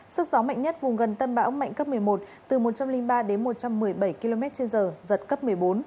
sức gió mạnh nhất vùng gần tâm bão mạnh cấp một mươi một từ một trăm linh ba đến một trăm một mươi bảy km trên giờ giật cấp một mươi bốn